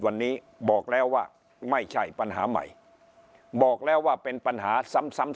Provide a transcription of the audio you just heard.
วันนี้บอกแล้วว่าไม่ใช่ปัญหาใหม่บอกแล้วว่าเป็นปัญหาซ้ำซ้ำ